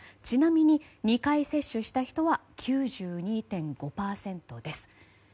ちなみに２回接種した人は９２．５％です。